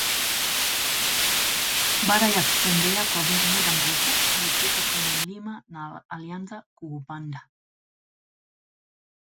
Baada ya kutembea kwa muda mrefu, alifika kwenye mlima na alianza kuupanda